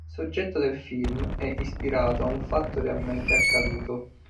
Il soggetto del film è ispirato ad un fatto realmente accaduto.